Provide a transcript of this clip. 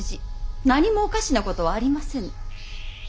何もおかしなことはありませぬ。